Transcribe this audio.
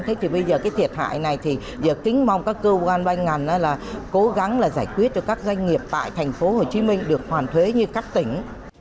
thế thì bây giờ cái thiệt hại này thì giờ kính mong các cơ quan ban ngành là cố gắng là giải quyết cho các doanh nghiệp tại thành phố hồ chí minh được hoàn thuế như các tỉnh